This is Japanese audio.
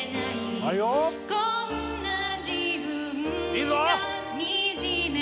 いいぞ！